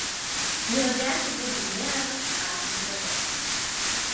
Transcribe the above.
Ihre Werke wurden in mehrere Sprachen übersetzt.